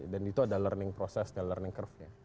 dan itu adalah learning process learning curve nya